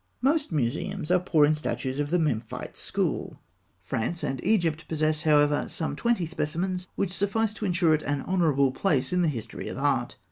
] Most museums are poor in statues of the Memphite school; France and Egypt possess, however, some twenty specimens which suffice to ensure it an honourable place in the history of art.